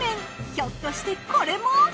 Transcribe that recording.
ひょっとしてこれも。